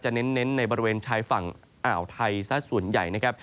เน้นในบริเวณชายฝั่งอ่าวไทยซะส่วนใหญ่นะครับ